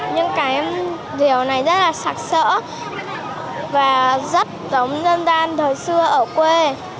nhưng cái điều này rất là sạc sỡ và rất giống dân gian thời xưa ở quê